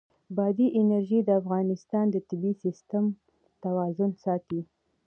بادي انرژي د افغانستان د طبعي سیسټم توازن ساتي.